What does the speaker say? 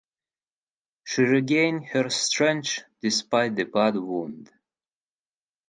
She regained her strength despite the bad wound.